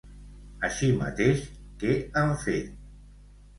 Així mateix, què han fet?